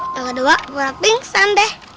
yang kedua kabur pingsan deh